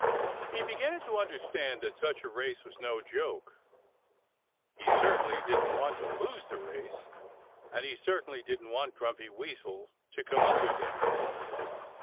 He began to understand that such a race was no joke. He certainly didn't want to lose the race. And he certainly didn't want Grumpy Weasel to come up with him.